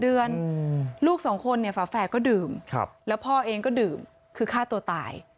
เดือนลูกสองคนเนี่ยฝาแฝดก็ดื่มแล้วพ่อเองก็ดื่มคือฆ่าตัวตาย